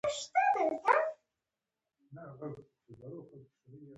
دریم د فکر کولو لوړه سطحه لري.